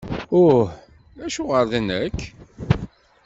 Uh! Acuɣer d nekk?!